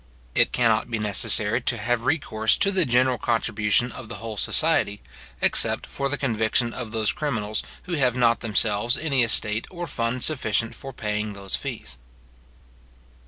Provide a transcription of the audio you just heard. It cannot be necessary to have recourse to the general contribution of the whole society, except for the conviction of those criminals who have not themselves any estate or fund sufficient for paying those fees.